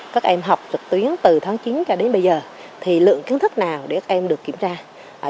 các em học trực tuyến từ tháng chín cho đến bây giờ thì lượng kiến thức nào để các em được kiểm tra